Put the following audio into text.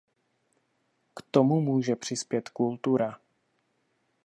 K tomu může přispět kultura.